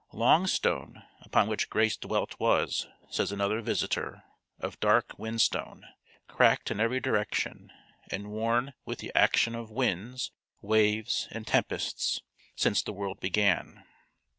Longstone, upon which Grace dwelt was, says another visitor, of dark whinstone, cracked in every direction and worn with the action of winds, waves and tempests, since the world began.